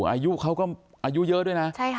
อายุเขาก็อายุเยอะด้วยนะ